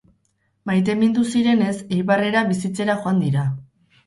Maitemindu zirenez Eibarrera bizitzera joan dira.